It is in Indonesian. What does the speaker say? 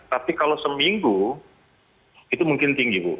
tapi kalau seminggu itu mungkin tinggi bu